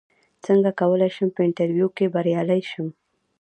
څنګه کولی شم په انټرویو کې بریالی شم